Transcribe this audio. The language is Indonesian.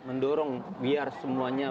mendorong biar semuanya